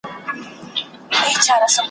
څو ورځي کېږي `